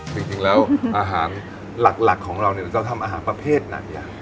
จริงแล้วอาหารหลักของเราเนี่ยจะทำอาหารประเภทไหน